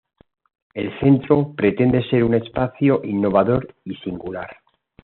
El Centro pretende ser un espacio innovador y singular.